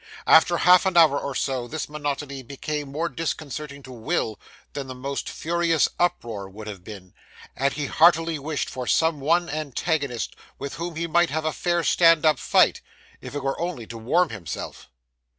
After half an hour or so this monotony became more disconcerting to Will than the most furious uproar would have been, and he heartily wished for some one antagonist with whom he might have a fair stand up fight, if it were only to warm himself.